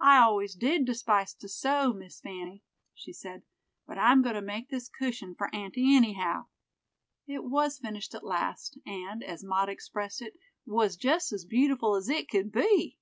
"I always did despise to sew, Miss Fanny," she said, "but I'm going to make this cushion for aunty anyhow." It was finished at last, and, as Maud expressed it, "was just as beautiful as it could be."